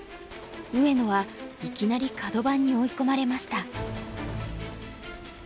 上野はいきなりカド番に追い込まれました。